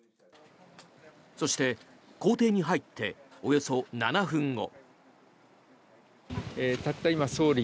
そして、公邸に入っておよそ７分後。